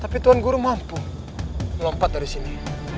tapi tuhan guru mampu melompat dari sini